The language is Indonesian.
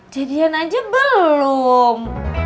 jadian aja belum